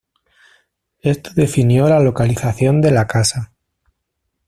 Esto definió la localización de la casa.